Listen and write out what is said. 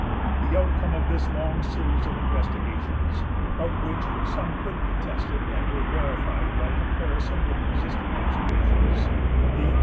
The outcome of this long series of investigations, of which some could be tested and were verified by comparison with existing observations, e.